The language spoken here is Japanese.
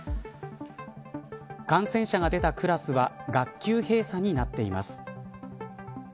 感染者が出たクラスは学級閉鎖になっています。